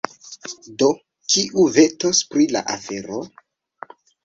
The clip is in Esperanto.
Do, kiu vetos pri la afero?